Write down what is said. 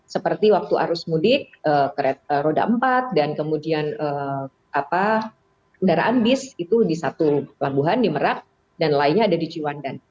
seperti waktu arus mudik kereta roda empat dan kemudian kendaraan bis itu di satu pelabuhan di merak dan lainnya ada di ciwandan